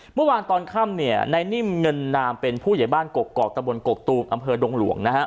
เมื่อวานตอนค่ำในนิ่มเงินนามเป็นผู้ใหญ่บ้านกกอกตะบนกกตูมอำเภอดงหลวง